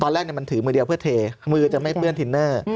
แรกมันถือมือเดียวเพื่อเทมือจะไม่เปื้อนทินเนอร์